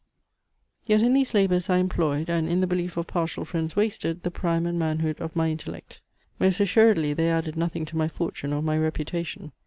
Yet in these labours I employed, and, in the belief of partial friends wasted, the prime and manhood of my intellect. Most assuredly, they added nothing to my fortune or my reputation.